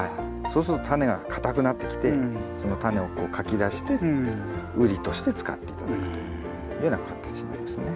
そうするとタネが硬くなってきてそのタネをこうかき出してウリとして使って頂くというような形になりますね。